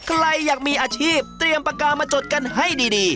ใครอยากมีอาชีพเตรียมปากกามาจดกันให้ดี